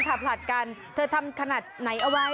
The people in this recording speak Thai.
ที่จะทำขนาดใหนเอาไว้